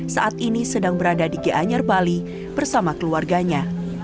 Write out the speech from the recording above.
saat ini sedang berada di gianyar bali bersama keluarganya